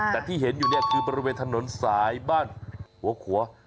แต่ที่เห็นอยู่เนี่ยคือบริเวณถนนสายบ้านหัวขัว